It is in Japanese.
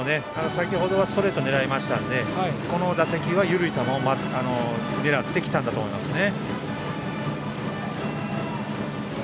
先程はストレートを狙いましたのでこの打席は緩い球を狙ってきたんだと思いますね。